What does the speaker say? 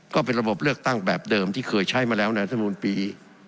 ก็เป็นระบบเลือกตั้งแบบเดิมที่เคยใช้มาแล้วในรัฐมนุนปี